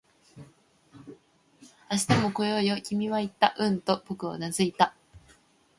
「明日も来ようよ」、君は言った。うんと僕はうなずいた